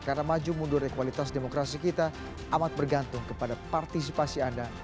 karena maju mundur ekualitas demokrasi kita amat bergantung kepada partisipasi anda